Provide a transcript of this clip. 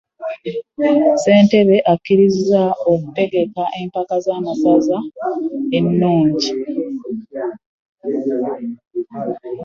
ssentebe asuubiza okutegeka empaka z'amasaza enungi.